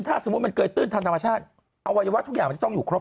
ถ้าสมมุติมันเกยตื้นทางธรรมชาติอวัยวะทุกอย่างมันจะต้องอยู่ครบ